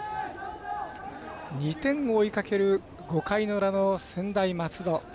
２点を追いかける５回の裏の専大松戸。